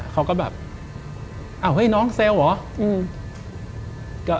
เขาก็แบบเห้ยน้องเซลหรอ